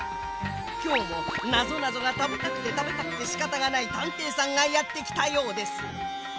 きょうもなぞなぞがたべたくてたべたくてしかたがないたんていさんがやってきたようです。